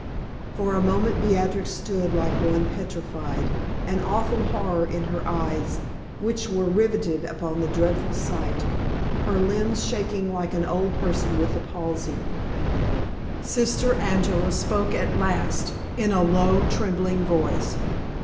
For a moment Beatrix stood like one petrified, an awful horror in her eyes, which were riveted upon the dreadful sight, her limbs shaking like an old person with the palsy. Sister Angela spoke at last in a low, trembling voice.